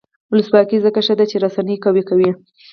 ولسواکي ځکه ښه ده چې رسنۍ قوي کوي.